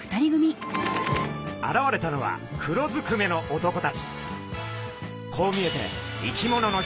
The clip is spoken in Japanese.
現れたのは黒ずくめの男たち。